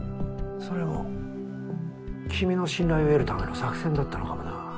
それも君の信頼を得るための作戦だったのかもな。